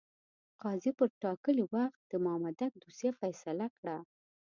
قاضي پر ټاکلي وخت د مامدک دوسیه فیصله کړه.